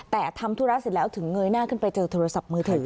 แต่ทำธุระเสร็จแล้วถึงเงยหน้าขึ้นไปเจอโทรศัพท์มือถือ